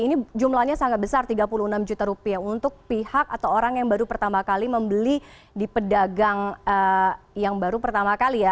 ini jumlahnya sangat besar tiga puluh enam juta rupiah untuk pihak atau orang yang baru pertama kali membeli di pedagang yang baru pertama kali ya